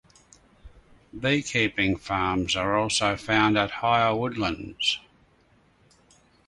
Beekeeping farms are also found at higher woodlands.